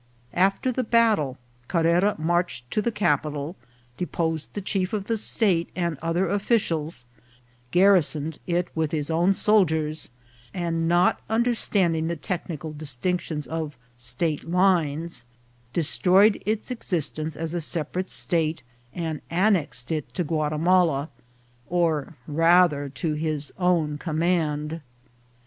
After the battle Carrera marched to the capital, deposed the chief of the state and other offi cers, garrisoned it with his own soldiers, and, not under standing the technical distinctions of state lines, de stroyed its existence as a separate state, and annexed it to Guatimala, or, rather, to his own command.